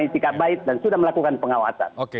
sikap baik dan sudah melakukan pengawasan